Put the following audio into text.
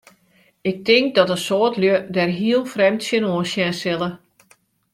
Ik tink dat in soad lju dêr hiel frjemd tsjinoan sjen sille.